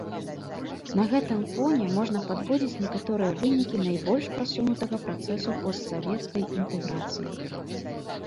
На гэтым фоне можна падводзіць некаторыя вынікі найбольш прасунутага працэсу постсавецкай інтэграцыі.